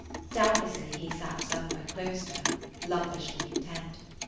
Doubtlessly he sat somewhere close to her, lumpishly content.